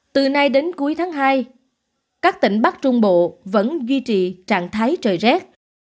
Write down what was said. từ nay đến cuối tháng hai các tỉnh bắc trung bộ vẫn duy trì trạng thái trời rét